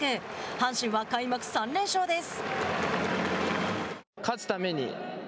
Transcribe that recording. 阪神は、開幕３連勝です。